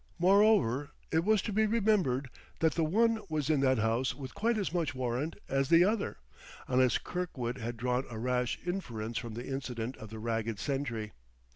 Moreover, it was to be remembered that the one was in that house with quite as much warrant as the other, unless Kirkwood had drawn a rash inference from the incident of the ragged sentry.